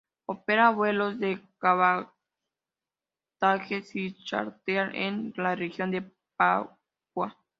Opera vuelos de cabotaje y charter en la región de Papua.